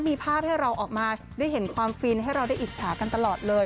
มีภาพให้เราออกมาได้เห็นความฟินให้เราได้อิจฉากันตลอดเลย